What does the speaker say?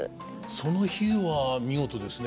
その比喩は見事ですね。